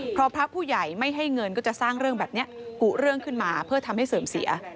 พอพระผู้ใหญ่ไม่ให้เงินก็จะสร้างเรื่องแบบนี้กุเรื่องขึ้นมาเพื่อทำให้เสื่อมเสีย